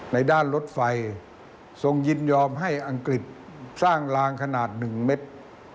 ในด้านรถไฟทรงยินยอมให้อังกฤษสร้างลางขนาด๑เมตร